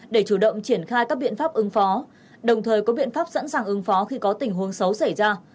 để chủ động triển khai các biện pháp ứng phó đồng thời có biện pháp sẵn sàng ứng phó khi có tình huống xấu xảy ra